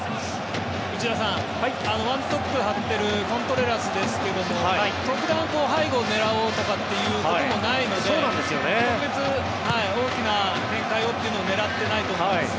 内田さんワントップを張ってるコントレラスですが特段、背後を狙おうということもないので特別、大きな展開をというのを狙っていないと思います。